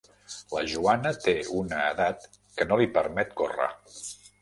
La Joana té una edat que no li permet córrer.